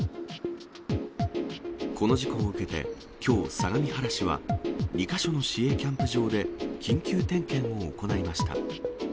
この事故を受けて、きょう、相模原市は２か所の市営キャンプ場で、緊急点検を行いました。